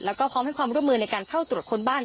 แล้วก็พร้อมให้ความร่วมมือในการเข้าตรวจค้นบ้าน